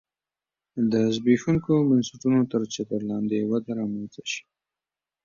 د زبېښونکو بنسټونو تر چتر لاندې وده رامنځته شي